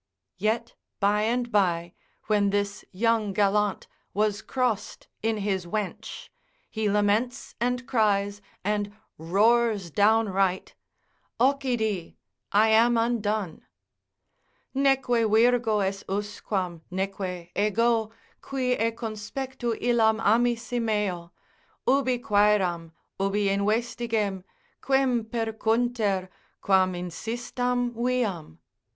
Yet by and by when this young gallant was crossed in his wench, he laments, and cries, and roars downright: Occidi—I am undone, Neque virgo est usquam, neque ego, qui e conspectu illam amisi meo, Ubi quaeram, ubi investigem, quem percunter, quam insistam viam?